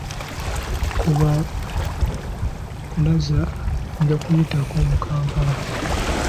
Ku bbalaza nja kuyitako mu Kampala era obudde bwonna ogenda kundaba.